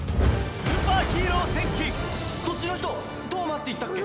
そっちの人飛羽真っていったっけ？